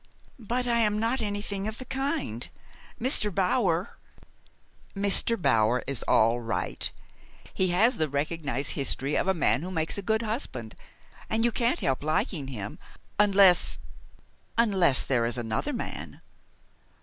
"But I am not anything of the kind. Mr. Bower " "Mr. Bower is all right. He has the recognized history of the man who makes a good husband, and you can't help liking him, unless unless there is another man."